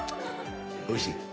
おいしい。